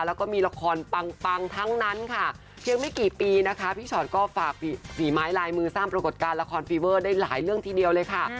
แล้วก็มีละครปังทั้งนั้นค่ะเพียงไม่กี่ปีนะคะพี่ชอตก็ฝากฝีไม้ลายมือสร้างปรากฏการณ์ละครฟีเวอร์ได้หลายเรื่องทีเดียวเลยค่ะ